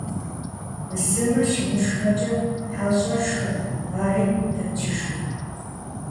Бысымыр щымышхэкӀэ, хьэщӀэр шхэнт - ари тэджыжырт.